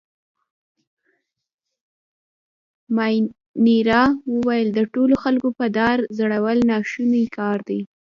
مانیرا وویل: د ټولو خلکو په دار ځړول ناشونی کار دی.